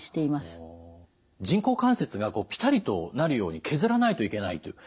人工関節がこうぴたりとなるように削らないといけないという。